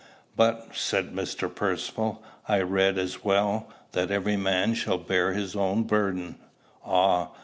"But," said Percivale, "I read as well, that every man shall bear his own burden." "Ah!"